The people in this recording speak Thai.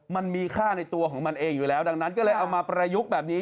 มันมีค่าในตัวของมันเองอยู่แล้วดังนั้นก็เลยเอามาประยุกต์แบบนี้